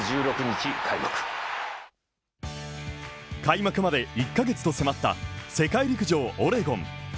ＪＴ開幕まで１カ月と迫った世界陸上オレゴン。